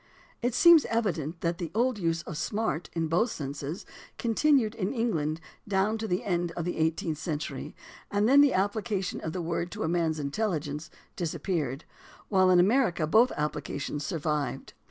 It seems evident that the old use of "smart" in both senses continued in England down to the end of the eighteenth century, and then the application of the word to a man's intelligence disappeared, while in 258 THE ORIGIN OF CERTAIN AMERICANISMS America both applications survived.